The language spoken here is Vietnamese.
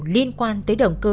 liên quan tới động cơ